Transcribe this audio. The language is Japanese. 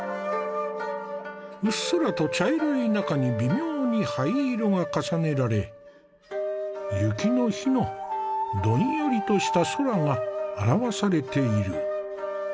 うっすらと茶色い中に微妙に灰色が重ねられ雪の日のどんよりとした空が表されている。